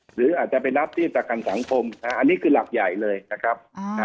หรืออาจจะไปรับที่ประกันสังคมอันนี้คือหลักใหญ่เลยนะครับ